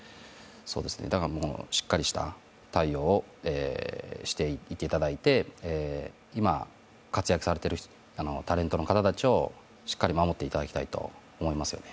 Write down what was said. だから、しっかりした対応をしていただいて今活躍されているタレントの方たちをしっかり守っていただきたいと思いますよね。